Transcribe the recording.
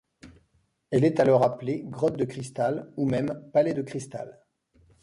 Elle est alors appelée grotte de cristal ou même palais de cristal.